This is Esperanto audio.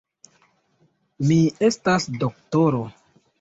Mi estas doktoro.